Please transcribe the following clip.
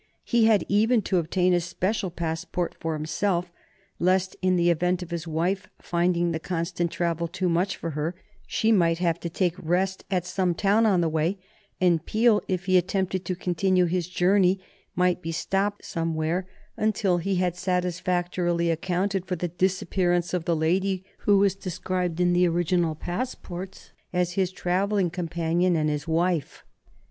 He had even to obtain a special passport for himself, lest, in the event of his wife finding the constant travel too much for her, she might have to take rest at some town on the way, and Peel, if he attempted to continue his journey, might be stopped somewhere until he had satisfactorily accounted for the disappearance of the lady who was described in the original passports as his travelling companion and his wife.